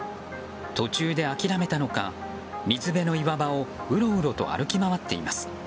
途中で諦めたのか、水辺の岩場をうろうろと歩き回っています。